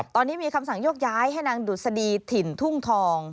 ตอนนี้มีคำสั่งยกย้ายให้นางดุษฎีถิ่นทุ่งทอง